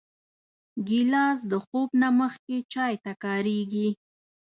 ګیلاس د خوب نه مخکې چای ته کارېږي.